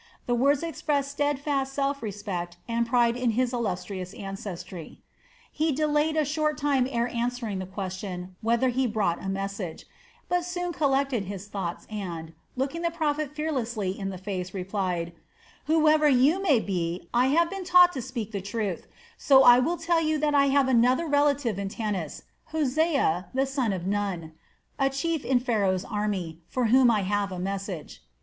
The words expressed steadfast self respect and pride in his illustrious ancestry. He delayed a short time ere answering the question whether he brought a message; but soon collected his thoughts and, looking the prophet fearlessly in the face, replied: "Whoever you may be, I have been taught to speak the truth, so I will tell you that I have another relative in Tanis, Hosea, the son of Nun, a chief in Pharaoh's army, for whom I have a message."